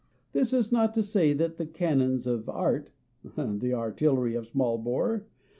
This is not to say that canons of art (the artillery of the small bore?)